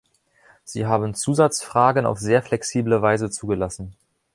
Sie haben Zusatzfragen auf sehr flexible Weise zugelassen.